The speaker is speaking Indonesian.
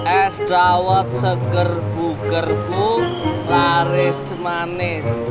es dawet segerbu gerbu laris cemanis